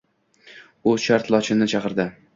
U shart Lochinni chaqirdi.